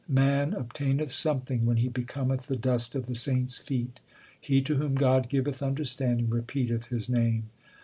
Man obtaineth something when he becometh the dust of the saints * feet. He to whom God giveth understanding repeateth His name.